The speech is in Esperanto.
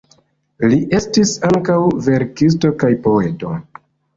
Li estis ankaŭ verkisto kaj poeto.